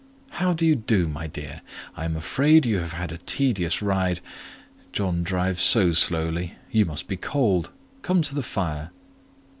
"How do you do, my dear? I am afraid you have had a tedious ride; John drives so slowly; you must be cold, come to the fire."